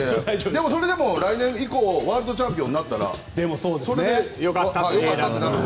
それでも来年以降ワールドチャンピオンになったらそれでよかったなと。